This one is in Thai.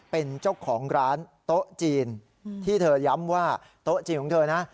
เป็นเจ้าของร้านโต๊ะจีนที่เธอย้ำว่าโต๊ะจีนของเธอนะ